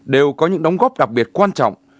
đều có những đóng góp đặc biệt quan trọng